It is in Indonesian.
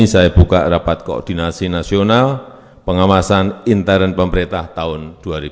saya buka rapat koordinasi nasional pengawasan intern pemerintah tahun dua ribu dua puluh